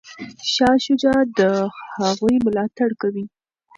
شاه شجاع د هغوی ملاتړ کوي.